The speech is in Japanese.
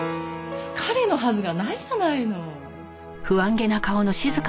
彼のはずがないじゃないの。